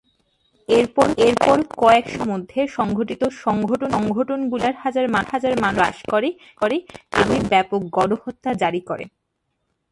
এরপর কয়েক সপ্তাহের মধ্যে, সংগঠিত সংগঠনগুলি হাজার হাজার মানুষকে গ্রাস করে এবং গ্রামে ব্যাপক গণহত্যা জারি করে।